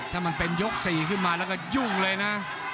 ถ้ามันเป็นยก๔ขึ้นมาแล้วก็ยุ่งเลยนะ